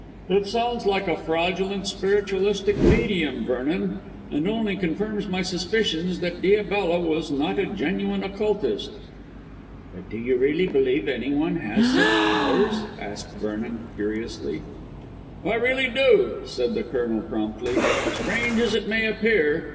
"It sounds like a fraudulent spiritualistic medium, Vernon, and only confirms my suspicions that Diabella was not a genuine occultist." "But do you really believe anyone has such powers?" asked Vernon curiously. "I really do," said the Colonel promptly, "strange as it may appear.